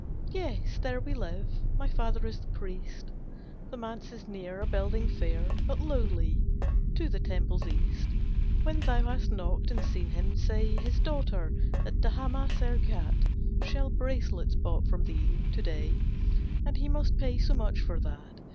"Yes, there We live; my father is the priest, The manse is near, a building fair But lowly, to the temple's east. When thou hast knocked, and seen him, say, His daughter, at Dhamaser Ghat, Shell bracelets bought from thee to day, And he must pay so much for that.